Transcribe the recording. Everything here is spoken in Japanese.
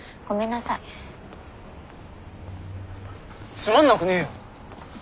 つまんなくねえよ。